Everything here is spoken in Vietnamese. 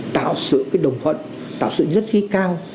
tạo sự đồng phận tạo sự nhất trí cao